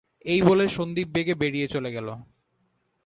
এই বলেই সন্দীপ বেগে বেরিয়ে চলে গেল।